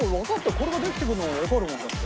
これができていくのはわかるもんだって。